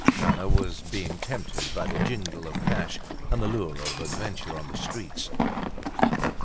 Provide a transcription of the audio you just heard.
Nana was being tempted by the jingle of cash and the lure of adventure on the streets.